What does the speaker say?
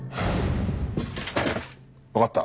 わかった。